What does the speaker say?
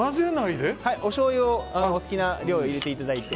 おしょうゆをお好きな量、入れていただいて。